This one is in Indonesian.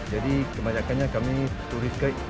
jadi kebanyakannya kami turis kait